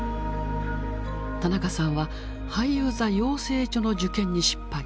田中さんは俳優座養成所の受験に失敗。